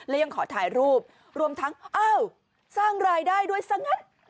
และยังขอถ่ายรูปรวมทั้งอ้าวสร้างรายได้ด้วยซะงั้น